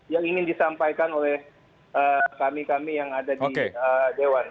yang ingin disampaikan oleh kami kami yang ada di dewan